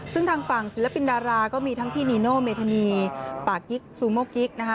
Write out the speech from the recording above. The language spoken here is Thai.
ซึ่งทางฝั่งศิลปินดาราก็มีทั้งพี่นีโนเมธานีปากกิ๊กซูโมกิ๊กนะคะ